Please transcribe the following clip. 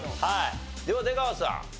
では出川さん。